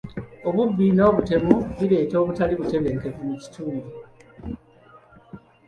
Obubbi n'obutemu bireeta obutali butebenkevu mu kitundu.